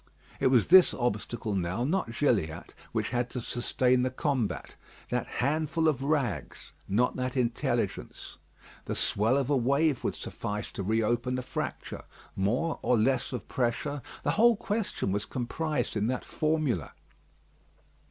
It was this obstacle now, not Gilliatt, which had to sustain the combat, that handfull of rags, not that intelligence. The swell of a wave would suffice to re open the fracture. More or less of pressure; the whole question was comprised in that formula.